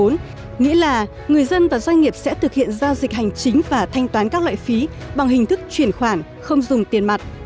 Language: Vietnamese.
nghĩa là người dân và doanh nghiệp sẽ thực hiện giao dịch hành chính và thanh toán các loại phí bằng hình thức chuyển khoản không dùng tiền mặt